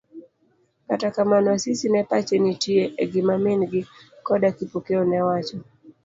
Kata kamano, Asisi ne pache nitie e gima min gi koda Kipokeo newacho.